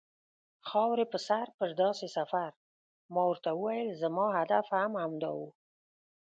خاورې په سر پر داسې سفر، ما ورته وویل: زما هدف هم همدا و.